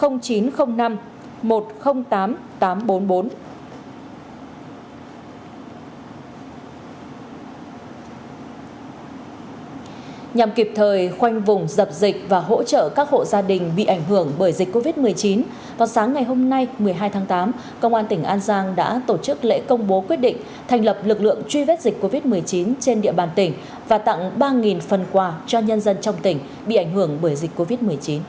nhằm kịp thời khoanh vùng dập dịch và hỗ trợ các hộ gia đình bị ảnh hưởng bởi dịch covid một mươi chín vào sáng ngày hôm nay một mươi hai tháng tám công an tỉnh an giang đã tổ chức lễ công bố quyết định thành lập lực lượng truy vết dịch covid một mươi chín trên địa bàn tỉnh và tặng ba phần quà cho nhân dân trong tỉnh bị ảnh hưởng bởi dịch covid một mươi chín